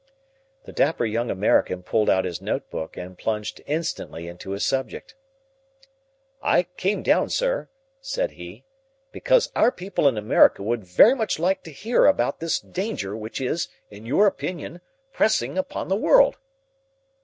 The dapper young American pulled out his notebook and plunged instantly into his subject. "I came down, sir," said he, "because our people in America would very much like to hear more about this danger which is, in your opinion, pressing upon the world."